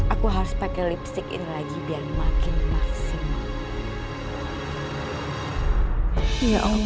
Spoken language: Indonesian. aku harus pakai lipstick ini lagi biar makin maksimal